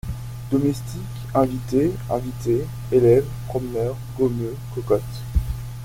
Domestiques, invités, invitées, élèves, promeneurs, gommeux, cocottes.